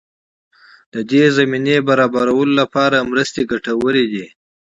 د دې زمینې برابرولو لپاره مرستې ګټورې دي.